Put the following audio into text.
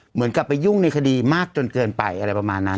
เหมือนกับไปยุ่งในคดีมากจนเกินไปอะไรประมาณนั้น